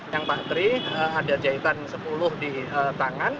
yang pak tri ada jahitan sepuluh di tangan